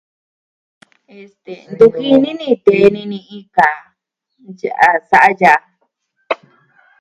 Este...ntu jini tee ni ni iin kaa sa'a yaa.